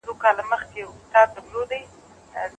سياستوال بايد تر جګړې سوله ييزې سيالۍ ته مخه کړي.